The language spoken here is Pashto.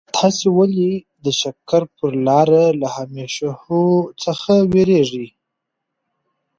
تاسي ولي د شکر پر لاره له همېشهو څخه وېرېږئ؟